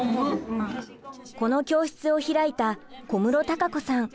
この教室を開いた小室敬子さん。